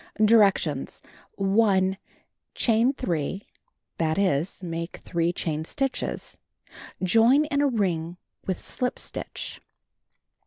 Directions : L Chain 3; that is, make 3 chain stitches. Join in a ring with slip stitch.